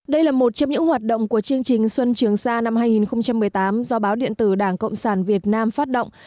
đây là một trong những hoạt động của chương trình xuân trường sa năm hai nghìn một mươi tám do báo điện tử đảng cộng sản việt nam phát động